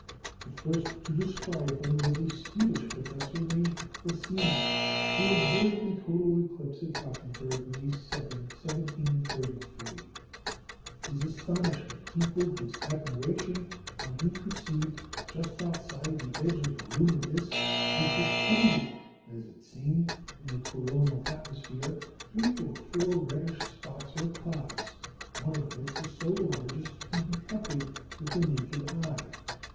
The first to describe them was a Swedish professor named Vassenius, who observed a total eclipse at Gothenburg, May 2 (o.s.), 1733. His astonishment equalled his admiration when he perceived, just outside the edge of the lunar disc, and suspended, as it seemed, in the coronal atmosphere, three or four reddish spots or clouds, one of which was so large as to be detected with the naked eye.